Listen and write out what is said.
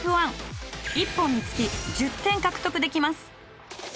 １本につき１０点獲得できます。